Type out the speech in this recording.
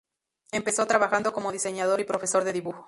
Empezó trabajando como diseñador y profesor de dibujo.